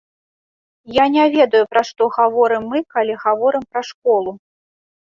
Я не ведаю, пра што гаворым мы, калі гаворым пра школу.